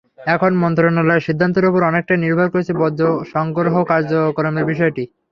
এখন মন্ত্রণালয়ের সিদ্ধান্তের ওপর অনেকটাই নির্ভর করছে বর্জ্য সংগ্রহ কার্যক্রমের বিষয়টি।